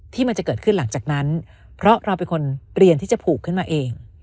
มันจะเกิดขึ้นหลังจากนั้นเพราะเราเป็นคนเรียนที่จะผูกขึ้นมาเอง